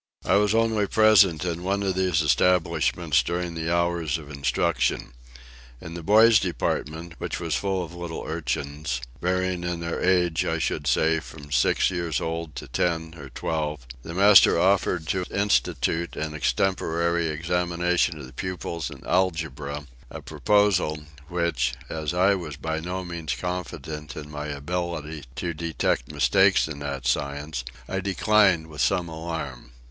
I was only present in one of these establishments during the hours of instruction. In the boys' department, which was full of little urchins (varying in their ages, I should say, from six years old to ten or twelve), the master offered to institute an extemporary examination of the pupils in algebra; a proposal, which, as I was by no means confident of my ability to detect mistakes in that science, I declined with some alarm.